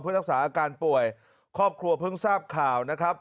เพื่อรักษาอาการป่วยครอบครัวเพิ่งทราบข่าวนะครับ